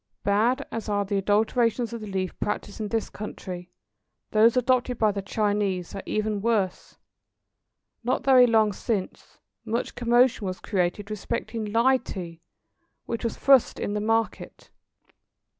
Bad as are the adulterations of the leaf practised in this country, those adopted by the Chinese are even worse. Not very long since, much commotion was created respecting "Lie Tea," which was thrust in the market.